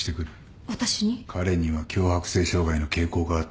彼には強迫性障害の傾向があったろ。